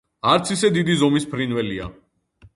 არც ისე დიდი ზომის ფრინველებია.